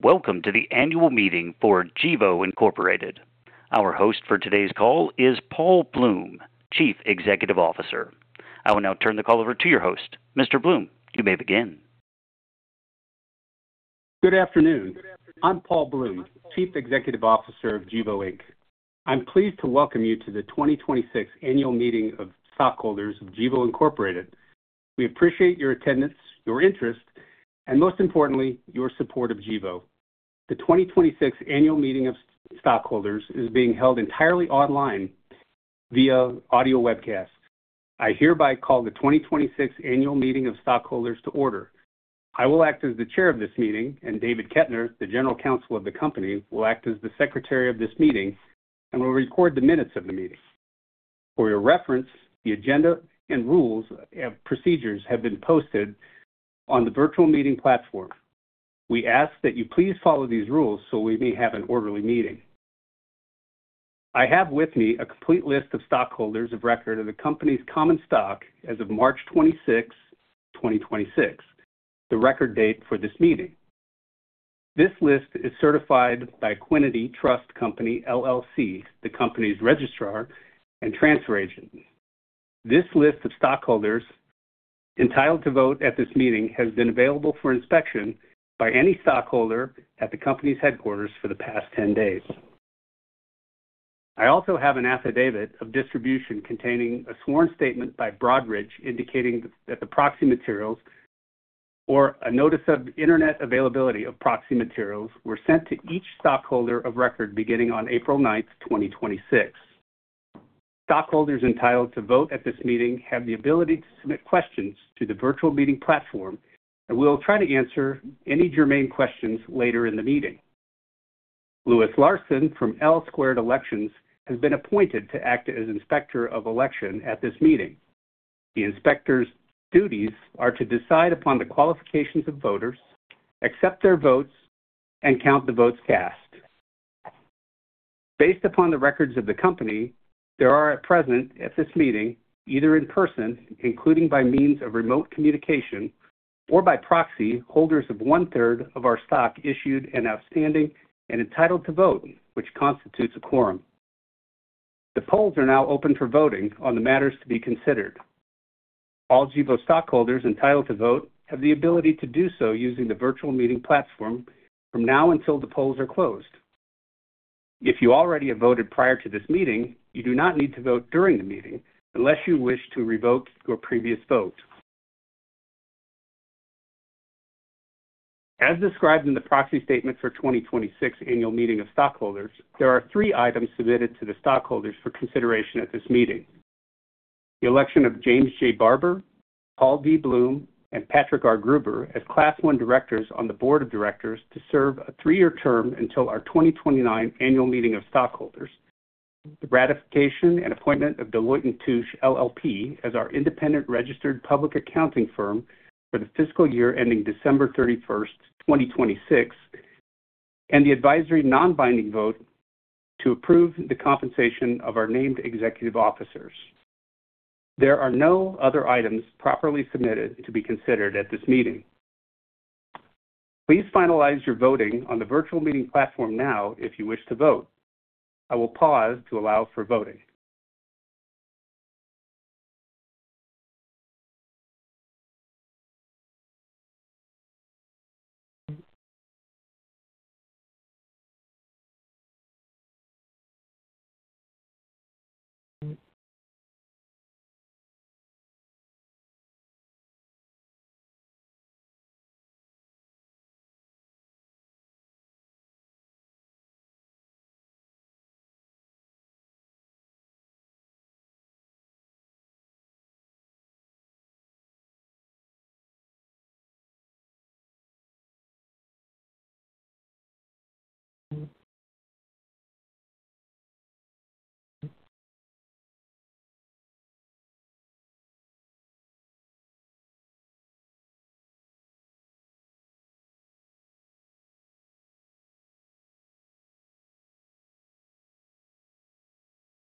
Welcome to the annual meeting for Gevo Incorporated. Our host for today's call is Paul Bloom, Chief Executive Officer. I will now turn the call over to your host. Mr. Bloom, you may begin. Good afternoon. I'm Paul Bloom, Chief Executive Officer of Gevo, Inc. I'm pleased to welcome you to the 2026 Annual Meeting of Stockholders of Gevo Incorporated. We appreciate your attendance, your interest, and most importantly, your support of Gevo. The 2026 Annual Meeting of Stockholders is being held entirely online via audio webcast. I hereby call the 2026 Annual Meeting of Stockholders to order. I will act as the chair of this meeting, and David Ketner, the General Counsel of the company, will act as the secretary of this meeting and will record the minutes of the meeting. For your reference, the agenda and rules of procedures have been posted on the virtual meeting platform. We ask that you please follow these rules so we may have an orderly meeting. I have with me a complete list of stockholders of record of the company's common stock as of March 26th, 2026, the record date for this meeting. This list is certified by Equiniti Trust Company, LLC, the company's registrar and transfer agent. This list of stockholders entitled to vote at this meeting has been available for inspection by any stockholder at the company's headquarters for the past 10 days. I also have an affidavit of distribution containing a sworn statement by Broadridge indicating that the proxy materials or a notice of internet availability of proxy materials were sent to each stockholder of record beginning on April 9th, 2026. Stockholders entitled to vote at this meeting have the ability to submit questions to the virtual meeting platform, and we will try to answer any germane questions later in the meeting. Louis Larson from L Squared Elections has been appointed to act as Inspector of Election at this meeting. The inspector's duties are to decide upon the qualifications of voters, accept their votes, and count the votes cast. Based upon the records of the company, there are at present at this meeting, either in person, including by means of remote communication or by proxy, holders of 1/3 of our stock issued and outstanding and entitled to vote, which constitutes a quorum. The polls are now open for voting on the matters to be considered. All Gevo stockholders entitled to vote have the ability to do so using the virtual meeting platform from now until the polls are closed. If you already have voted prior to this meeting, you do not need to vote during the meeting unless you wish to revoke your previous vote. As described in the proxy statement for 2026 Annual Meeting of Stockholders, there are three items submitted to the stockholders for consideration at this meeting: the election of James J. Barber, Paul D. Bloom, and Patrick R. Gruber as Class I Directors on the Board of Directors to serve a three-year term until our 2029 Annual Meeting of Stockholders, the ratification and appointment of Deloitte & Touche, LLP as our independent registered public accounting firm for the fiscal year ending December 31st, 2026, and the advisory non-binding vote to approve the compensation of our named executive officers. There are no other items properly submitted to be considered at this meeting. Please finalize your voting on the virtual meeting platform now if you wish to vote. I will pause to allow for voting.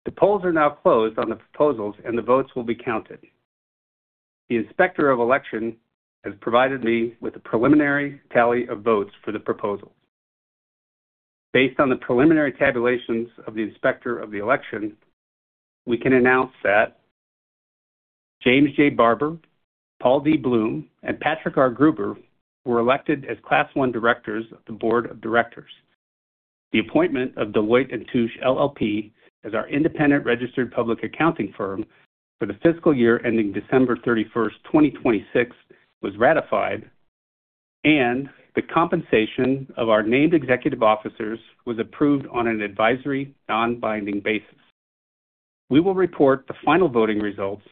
The polls are now closed on the proposals, and the votes will be counted. The Inspector of Election has provided me with a preliminary tally of votes for the proposals. Based on the preliminary tabulations of the Inspector of Election, we can announce that James J. Barber, Paul D. Bloom, and Patrick R. Gruber were elected as Class I Directors of the Board of Directors. The appointment of Deloitte & Touche LLP as our independent registered public accounting firm for the fiscal year ending December 31, 2026 was ratified, and the compensation of our named executive officers was approved on an advisory, non-binding basis. We will report the final voting results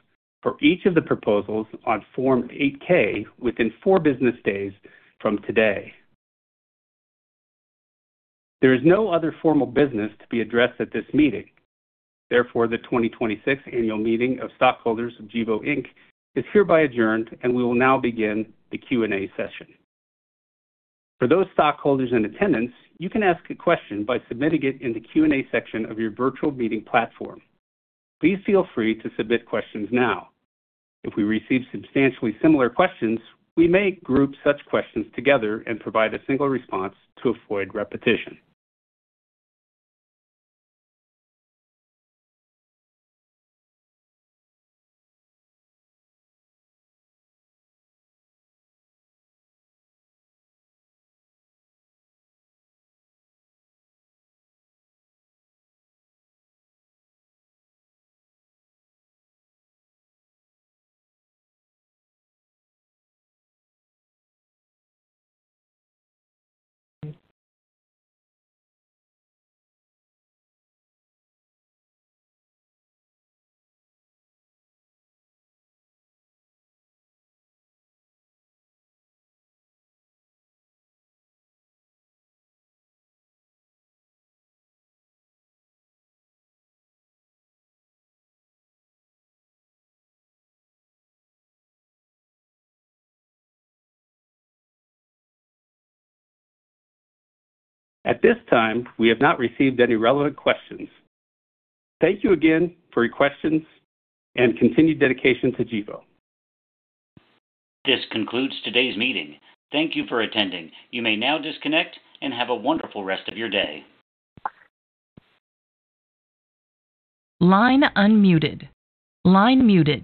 for each of the proposals on Form 8-K within four business days from today. There is no other formal business to be addressed at this meeting. Therefore, the 2026 Annual Meeting of Stockholders of Gevo, Inc. is hereby adjourned, and we will now begin the Q&A session. For those stockholders in attendance, you can ask a question by submitting it in the Q&A section of your virtual meeting platform. Please feel free to submit questions now. If we receive substantially similar questions, we may group such questions together and provide a single response to avoid repetition. At this time, we have not received any relevant questions. Thank you again for your questions and continued dedication to Gevo. This concludes today's meeting. Thank you for attending. You may now disconnect and have a wonderful rest of your day. Line unmuted. Line muted.